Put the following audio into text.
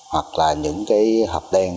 hoặc là những hộp đen